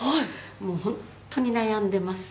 もうホントに悩んでます。